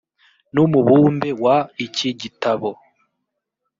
n umubumbe wa iki gitabo